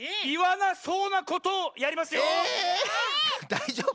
⁉だいじょうぶ？